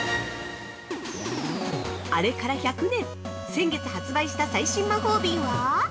あれから１００年先月発売した最新魔法瓶は？